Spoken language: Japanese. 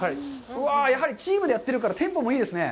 やはりチームでやってるからテンポがいいですね。